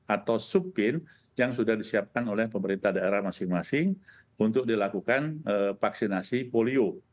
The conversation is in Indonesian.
atau suppin yang sudah disiapkan oleh pemerintah daerah masing masing untuk dilakukan vaksinasi polio